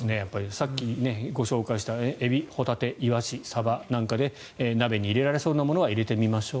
さっきご紹介したエビ、ホタテイワシ、サバなんかで鍋に入れられそうなものは入れてみましょう。